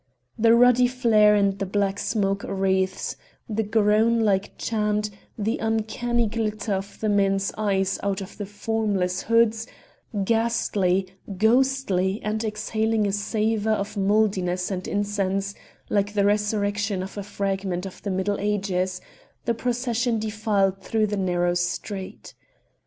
The ruddy flare and the black smoke wreaths, the groan like chant, the uncanny glitter of the men's eyes out of the formless hoods ghastly, ghostly, and exhaling a savor of mouldiness and incense, like the resurrection of a fragment of the middle ages the procession defiled through the narrow street.